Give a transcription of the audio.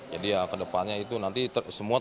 jadi ya kedepannya itu nanti semua terintegrasi